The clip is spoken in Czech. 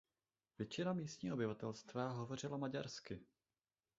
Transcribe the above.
Většina místního obyvatelstva hovořila maďarsky.